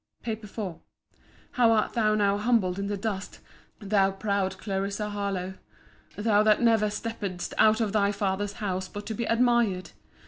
PAPER IV How art thou now humbled in the dust, thou proud Clarissa Harlowe! Thou that never steppedst out of thy father's house but to be admired!